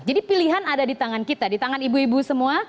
jadi pilihan ada di tangan kita di tangan ibu ibu semua